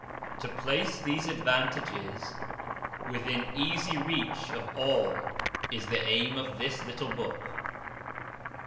To place these advantages within easy reach of all is the aim of this little book.